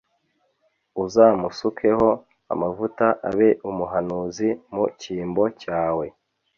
uzamusukeho amavuta abe umuhanuzi mu cyimbo cyawe